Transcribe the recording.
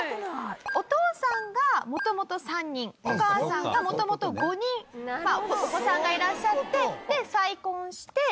お父さんが元々３人お母さんが元々５人お子さんがいらっしゃって再婚して７人の子供に恵まれたと。